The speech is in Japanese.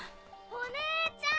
お姉ちゃん！